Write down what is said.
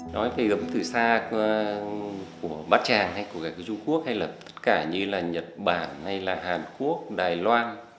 nói về ấm từ xa của bát tràng của các chú quốc hay là tất cả như là nhật bản hay là hàn quốc đài loan